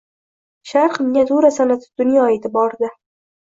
Sharq miniatyura san’ati dunyo e’tiborida